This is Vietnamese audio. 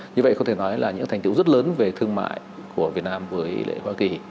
như vậy có thể nói là những thành tiệu rất lớn về thương mại của việt nam với hoa kỳ